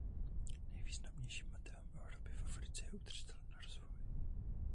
Nejvýznamnějším motivem Evropy v Africe je udržitelný rozvoj.